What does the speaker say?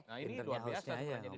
nah ini luar biasa